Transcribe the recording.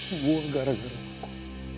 semua gara gara aku